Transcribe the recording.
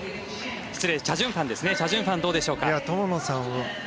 失礼、チャ・ジュンファンですねどうでしょうか。